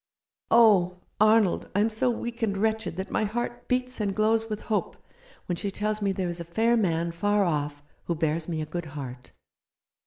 Oh, Arnold, I am so weak and wretched that my heart beats and glows with hope when she tells me there is a fair man far off who bears me a good heart.